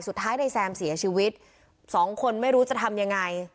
สุดท้ายนายแซมเสียชีวิตสองคนไม่รู้จะทำยังไง